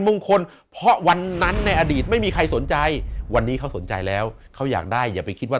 ไม่มีใครสนใจวันนี้เขาสนใจแล้วเขาอยากได้อย่าไปคิดว่า